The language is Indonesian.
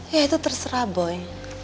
ya itu terserah boy